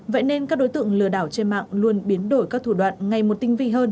vậy nên các đối tượng lừa đảo trên mạng luôn biến đổi các thủ đoạn ngày một tinh vi hơn